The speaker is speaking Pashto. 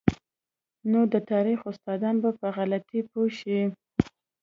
نو د تاریخ استادان به په غلطۍ پوه شي.